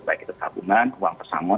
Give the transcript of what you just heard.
baik itu tabungan uang pesangon